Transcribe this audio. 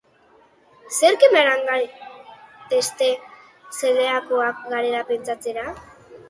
Zerk eraman gaitzake zeliakoak garela pentsatzera?